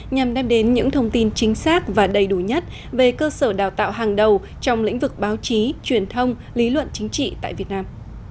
nhằm đem đến những thông tin chính xác và đầy đủ nhất về cơ sở đào tạo hàng đầu trong lĩnh vực báo chí truyền thông lý luận chính trị tại việt nam